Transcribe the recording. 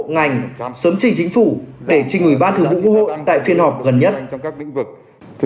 ngành sớm trình chính phủ để trình ủy ban thư vụ ưu hội tại phiên họp gần nhất